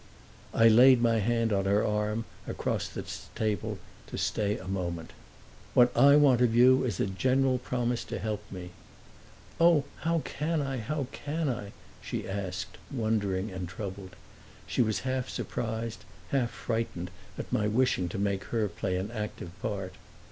I laid my hand on her arm, across the table, to stay her a moment. "What I want of you is a general promise to help me." "Oh, how can I how can I?" she asked, wondering and troubled. She was half surprised, half frightened at my wishing to make her play an active part.